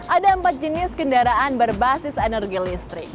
ada empat jenis kendaraan berbasis energi listrik